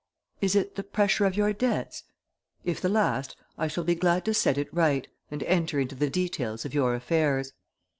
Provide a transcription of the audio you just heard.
Is it the pressure of your debts? If the last, I shall be glad to set it right, and enter into the details of your affairs.